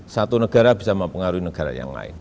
satu negara bisa mempengaruhi negara yang lain